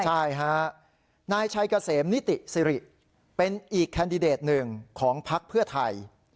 ใช่ฮะนายชัยเกษมนิติสิริเป็นอีกแคนดิเดตหนึ่งของพักเพื่อไทย